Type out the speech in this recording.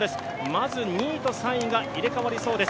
まず２位と３位が入れ代わりそうです。